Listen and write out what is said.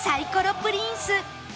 プリンス